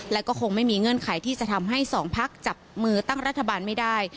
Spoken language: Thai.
และก็คงไม่มีเงื่อนไขที่จะทำให้สองพักจับมือตั้งรัฐบาลไม่ได้